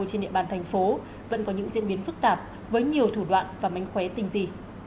trên địa bàn thành phố vẫn có những diễn biến phức tạp với nhiều thủ đoạn và mánh khóe tinh tì